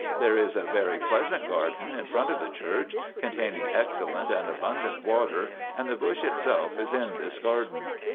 There is a very pleasant garden in front of the church, containing excellent and abundant water, and the bush itself is in this garden.